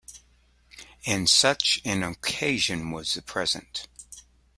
And such an occasion was the present.